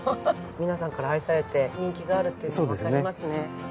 皆さんから愛されて人気があるっていうのがわかりますね。